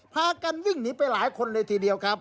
พากันวิ่งหนีไปหลายคนเลยทีเดียวครับ